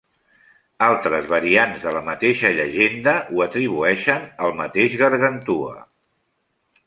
Altres variants de la mateixa llegenda, ho atribueixen al mateix Gargantua.